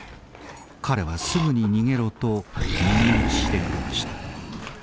彼は「すぐに逃げろ」と耳打ちしてくれました。